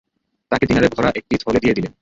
তাকে দিনারে ভরা একটি থলে দিয়ে দিলেন।